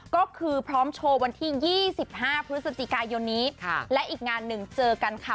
ก็คือพร้อมโชว์วันที่๒๕พฤศจิกายนนี้และอีกงานหนึ่งเจอกันค่ะ